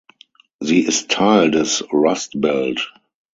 Sie ist Teil des Rust Belt.